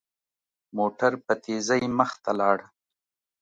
موټر په تېزۍ مخ ته لاړ.